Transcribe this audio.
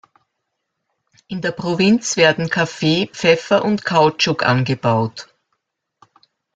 In der Provinz werden Kaffee, Pfeffer und Kautschuk angebaut.